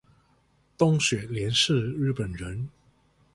东雪莲是日本人